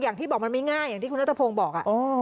อย่างที่บอกมันไม่ง่ายอย่างที่คุณนัทพงศ์บอก